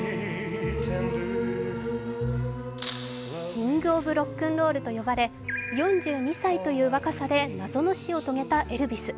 キング・オブ・ロックンロールと呼ばれ４２歳という若さで謎の死を遂げたエルヴィス。